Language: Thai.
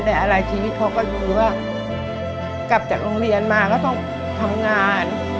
แต่อะไรชีวิตเขาก็ดูว่ากลับจากโรงเรียนมาก็ต้องทำงาน